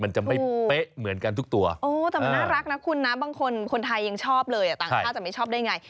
มันจะไม่เป๊ะเหมือนกันทุกตัวโอ้แต่มันน่ารักนะคุณนะบางคนคนไทยยังชอบเลยอ่ะต่างชาติจะไม่ชอบได้ไง